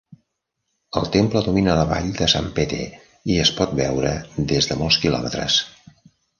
El temple domina la vall de Sanpete, i es pot veure des de molts quilòmetres.